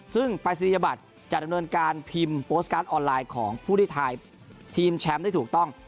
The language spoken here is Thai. ซึ่งปรายศนียบัตรจะดำเนินการพิมพ์โพสต์การ์ดออนไลน์ของผู้ที่ทายทีมแชมป์ได้ถูกต้อง